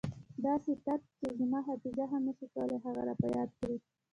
داسې تت چې زما حافظه هم نه شي کولای هغه را په یاد کړي.